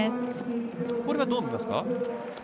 これはどう見ますか？